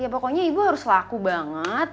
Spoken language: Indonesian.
ya pokoknya ibu harus laku banget